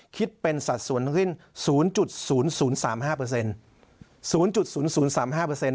คิดเป็นสัดส่วนทั้งที่๐๐๐๓๕